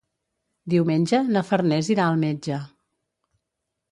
Diumenge na Farners irà al metge.